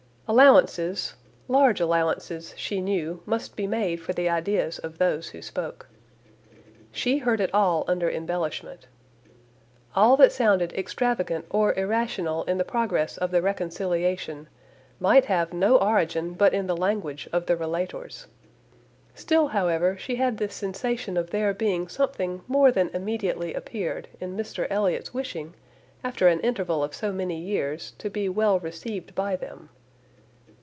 Allowances, large allowances, she knew, must be made for the ideas of those who spoke. She heard it all under embellishment. All that sounded extravagant or irrational in the progress of the reconciliation might have no origin but in the language of the relators. Still, however, she had the sensation of there being something more than immediately appeared, in Mr Elliot's wishing, after an interval of so many years, to be well received by them.